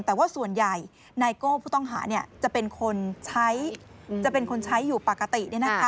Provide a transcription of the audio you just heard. แต่ว่าส่วนใหญ่นายโก้ผู้ต้องหาจะเป็นคนใช้อยู่ปกติ